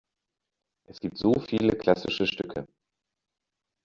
Es gibt so viele klassische Stücke!